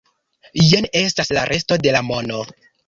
Jen estas la resto de la mono.